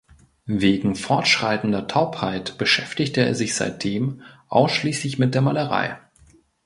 Wegen fortschreitender Taubheit beschäftigte er sich seitdem ausschließlich mit der Malerei.